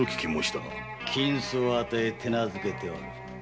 金子を与え手なづけてある。